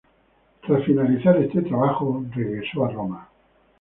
Tras finalizar este trabajo, regresó a Roma.